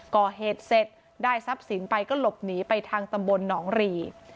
ก่อเหตุเสร็จได้ทรัพย์สินไปก็หลบหนีไปทางตำบลหนองรี